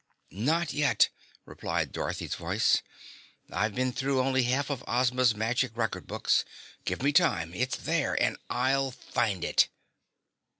"Not yet," replied Dorothy's voice. "I've been through only half of Ozma's magic record books. Give me time it's there. And I'll find it!"